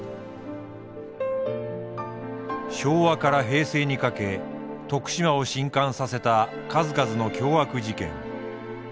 昭和から平成にかけ徳島を震撼させた数々の凶悪事件。